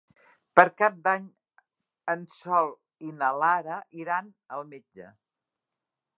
Per Cap d'Any en Sol i na Lara iran al metge.